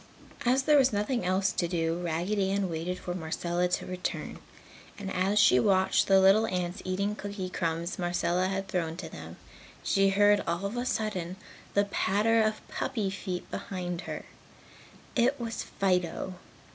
As there was nothing else to do, Raggedy Ann waited for Marcella to return. And as she watched the little ants eating cookie crumbs Marcella had thrown to them, she heard all of a sudden the patter of puppy feet behind her. It was Fido.